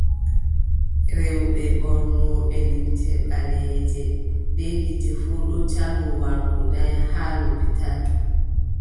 Rewɓe ɓornotooɓe limce ɓaleeje bee gite fuu ɗon caloo wargo danya haa lopital.